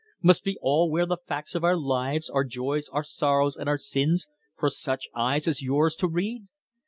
Must we all wear the facts of our lives our joys, our sorrows, and our sins for such eyes as yours to read?